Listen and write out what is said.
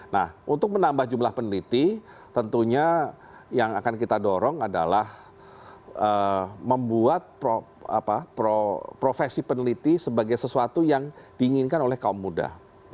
nah untuk menambah jumlah peneliti tentunya yang akan kita dorong adalah membuat profesi peneliti sebagai sesuatu yang diinginkan oleh kaum muda